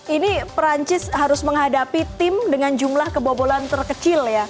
ini perancis harus menghadapi tim dengan jumlah kebobolan terkecil ya